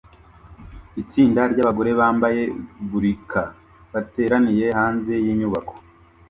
Itsinda ryabagore bambaye burka bateraniye hanze yinyubako